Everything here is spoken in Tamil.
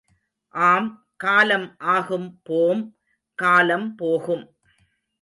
ஆம் காலம் ஆகும் போம் காலம் போகும்.